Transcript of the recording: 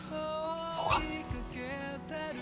そうか。